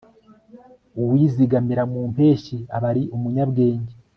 uwizigamira mu mpeshyi aba ari umunyabwenge